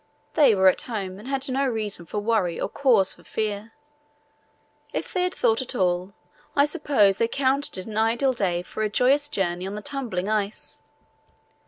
They were at home and had no reason for worry or cause for fear. If they thought at all, I suppose they counted it an ideal day for a joyous journey on the tumbling ice.